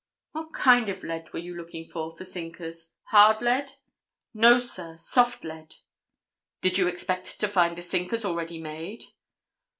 "What kind of lead were you looking for, for sinkers? Hard lead?" "No, sir; soft lead." "Did you expect to find the sinkers already made?"